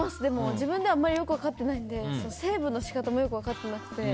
自分ではあまりよく分かっていないのでセーブの仕方もよく分かってなくて。